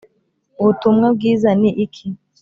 Ubutumwa bwiza ni iki?